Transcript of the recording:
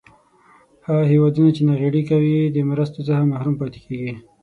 هغه هېوادونه چې ناغیړي کوي د مرستو څخه محروم پاتې کیږي.